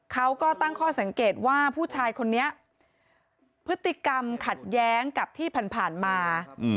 เขาก็ตั้งข้อสังเกตว่าผู้ชายคนนี้พฤติกรรมขัดแย้งกับที่ผ่านมา